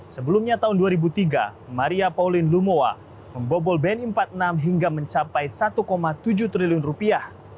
sebelumnya tahun dua ribu tiga maria pauline lumowa membobol bni empat puluh enam hingga mencapai satu tujuh triliun rupiah